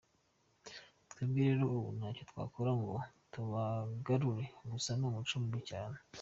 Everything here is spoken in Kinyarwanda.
Twebwe rero ubu ntacyo twakora ngo tubagarure, gusa ni umuco mubi cyane”.